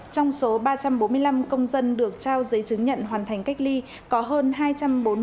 trong số ba trăm bốn mươi năm công dân được trao giấy chứng nhận hoàn thành cách ly có hơn hai trăm bốn mươi phụ nữ mang thai